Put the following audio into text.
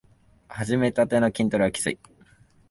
はじめたての筋トレはきつい